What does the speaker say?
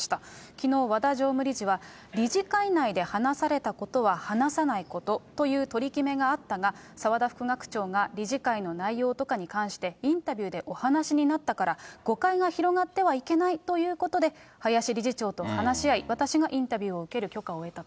きのう、和田常務理事は、理事会内で話されたことは話さないことという取り決めがあったが、澤田副学長が理事会の内容とかに関してインタビューでお話しになったから、誤解が広がってはいけないということで、林理事長と話し合い、私がインタビューを受ける許可を得たと。